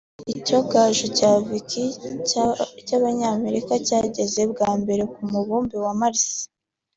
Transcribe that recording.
Icyogajuru cya Vikings cy’abanyamerika cyageze bwa mbere ku mubumbe wa Mars